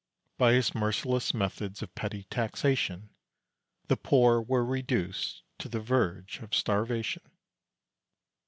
By his merciless methods of petty taxation, The poor were reduced to the verge of starvation.